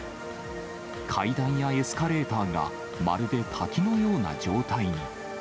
階段やエスカレーターが、まるで滝のような状態に。